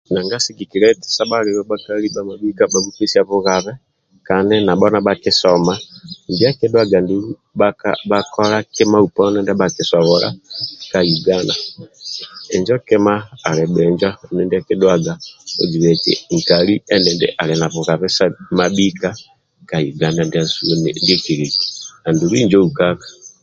Nanga sigikilia eti sebhalio bhakali bhabhipesia bugabe kandi nabho nibhakisoma injo akidhuaga ndulu bhakola kima uponi india bhakisobola ka uganda injo kima ali bhinjo andulu ndia akidhuaga oziba eti nkali endindi ali na bugabe mabhika ka uganda ndiasu ndie kiliku andulu injo ukaka